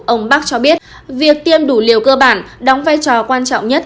ông bắc cho biết việc tiêm đủ liều cơ bản đóng vai trò quan trọng nhất